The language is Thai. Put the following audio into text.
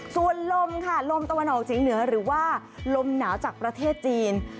ส่วนลมค่ะลมตะวันออกเฉียงเหนือหรือว่าลมหนาวจากประเทศจีน